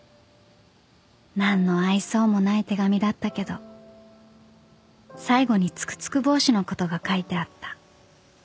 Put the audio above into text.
［何の愛想もない手紙だったけど最後にツクツクボウシのことが書いてあった］